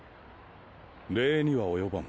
礼には及ばん。